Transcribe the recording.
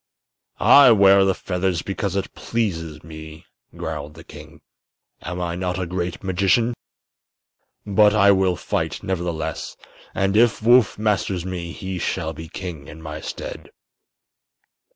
"I wear feathers because it pleases me," growled the king. "Am I not a great magician? But I will fight, nevertheless, and if Woof masters me he shall be king in my stead."